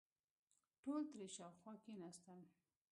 ټول ترې شاوخوا کېناستل.